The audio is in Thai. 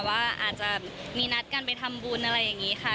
ว่าอาจจะมีนัดกันไปทำบุญอะไรอย่างนี้ค่ะ